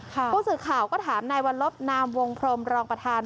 ผู้สื่อข่าวก็ถามนายวัลลบนามวงพรมรองประธาน